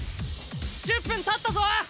１０分経ったぞ！